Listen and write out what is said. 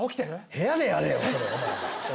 部屋でやれよそれ。